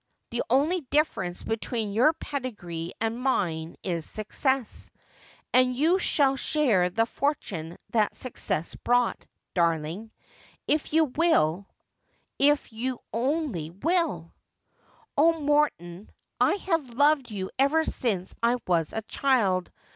The only difference between your pedigree and mine is success; and you shall share the fortune that success brought, darling, if you will — if you only will' ' Oh, Morton, I have loved you ever since I was a child.